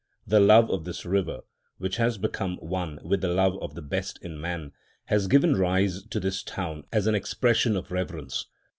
The love of this river, which has become one with the love of the best in man, has given rise to this town as an expression of reverence.